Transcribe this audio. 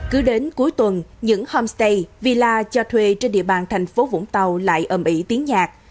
cứ đến cuối tuần những homestay villa cho thuê trên địa bàn thành phố vũng tàu lại ẩm ỉ tiếng nhạc